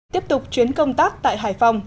tiếp tục chuyến công tác tại hải phòng